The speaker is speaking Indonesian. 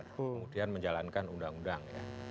kemudian menjalankan undang undang